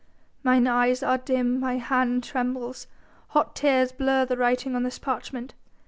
Mine eyes are dim, my hand trembles, hot tears blur the writing on this parchment.